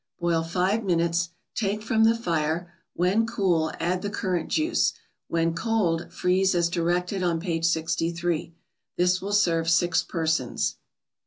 Boil five minutes, take from the fire; when cool, add the currant juice. When cold, freeze as directed on page 63. This will serve six persons.